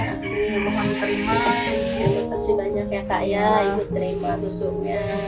terima kasih banyak ya kak ikut terima susunya